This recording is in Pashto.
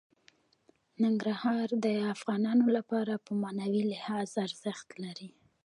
ننګرهار د افغانانو لپاره په معنوي لحاظ ارزښت لري.